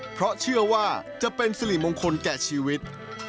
เพราะเชื่อว่าจะเป็นสิริมงคลแก่ชีวิต